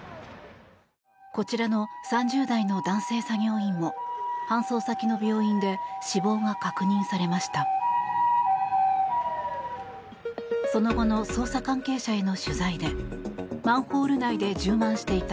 こちらの３０代の男性作業員も搬送先の病院で死亡が確認されました。